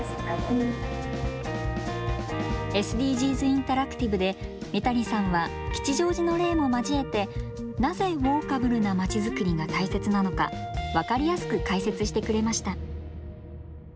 ＳＤＧｓインタラクティブで三谷さんは吉祥寺の例も交えてなぜウォーカブルなまちづくりが大切なのか分かりやすく解説してくれました。